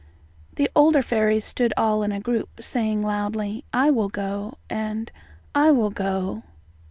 The older fairies stood all in a group, saying loudly "I will go," and "I will go."